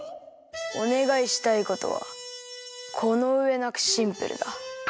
おねがいしたいことはこのうえなくシンプルだ。